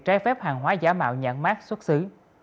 trái phép hàng hóa giả mạo nhãn mát xuất xứ